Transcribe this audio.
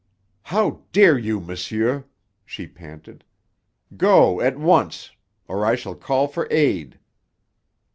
"How dare you, monsieur!" she panted. "Go at once, or I shall call for aid!"